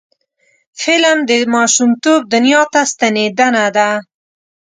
فلم د ماشومتوب دنیا ته ستنیدنه ده